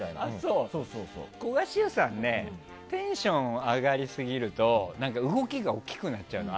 古賀シュウさんねテンション上がりすぎると動きが大きくなっちゃうの。